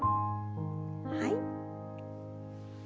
はい。